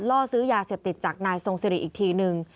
ล่อซื้อยาเสพติดจากนายทรงสิริอีกทีนึง